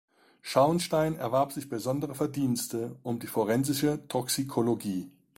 Schauenstein erwarb sich besondere Verdienste um die forensische Toxikologie.